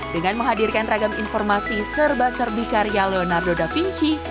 dengan menghadirkan ragam informasi serba serbi karya leonardo davinci